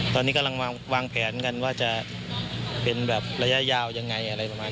ตอนนี้กำลังวางแผนกันว่าจะเป็นระยะยาวยังไง